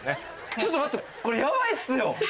ちょっと待ってこれヤバいですよ！